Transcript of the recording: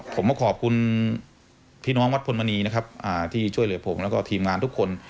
ผมมาขอบคุณพี่น้องวัดพลมณีนะครับที่ช่วยเหลือผมแล้วก็ทีมงานทุกคน